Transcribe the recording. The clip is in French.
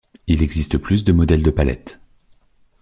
Il existe plus de modèles de palette.